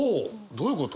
どういうこと？